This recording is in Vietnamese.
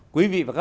quý vị và các bạn